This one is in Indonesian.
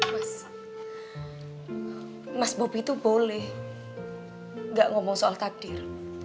mas mas bubi tuh boleh gak ngomong soal takdir